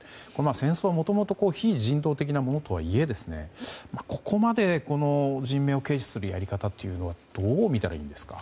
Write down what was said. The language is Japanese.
戦争はもともと非人道的なものとはいえここまで人命を軽視するやり方はどう見たらいいんですか。